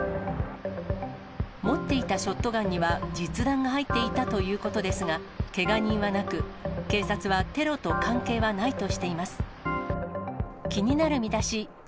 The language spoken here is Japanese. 持っていたショットガンには、実弾が入っていたということですが、けが人はなく、警察はテロと関係はないとしています。